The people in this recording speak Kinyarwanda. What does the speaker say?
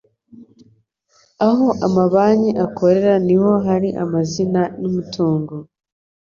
aho amabanki akorera niho har amazina n umutungo